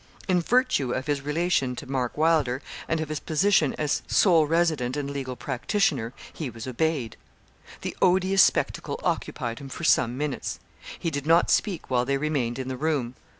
In virtue of his relation to Mark Wylder, and of his position as sole resident and legal practitioner, he was obeyed. The odious spectacle occupied him for some minutes. He did not speak while they remained in the room.